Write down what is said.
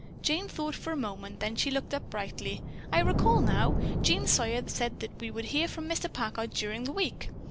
Jane thought for a moment, then she looked up brightly. "I recall now. Jean Sawyer said that we would hear from Mr. Packard during the week."